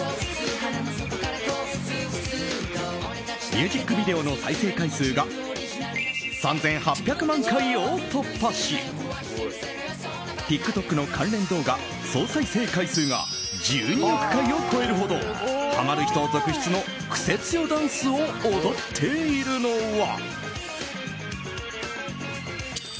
ミュージックビデオの再生回数が３８００万回を突破しＴｉｋＴｏｋの関連動画総再生回数が１２億回を超えるほどハマる人続出のクセ強ダンスを踊っているのは。